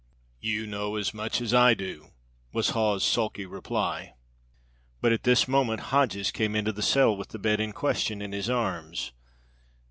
"You know as much as I do!" was Hawes's sulky reply. But at this moment Hodges came into the cell with the bed in question in his arms.